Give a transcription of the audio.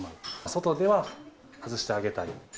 外では外してあげたい。